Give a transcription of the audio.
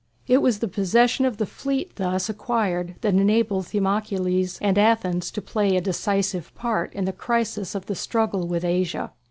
It was the possession of the fleet thus acquired that enabled Themistocles and Athens to play a decisive part in the crisis of the struggle with Asia.